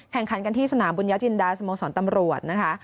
ขันกันที่สนามบุญญาติจินดาสมองสรรค์ตำรวจนะคะ